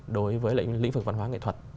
đối với lĩnh vực văn hóa nghệ thuật